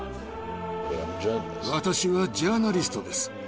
私はジャーナリストです。